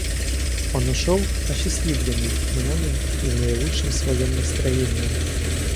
Он ушел осчастливленный мною и в наилучшем своем настроении.